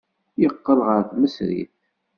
Yeqqel ɣer tmesrit.